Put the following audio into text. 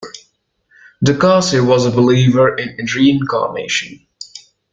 Ducasse was a believer in reincarnation.